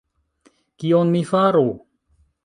Kion mi faru?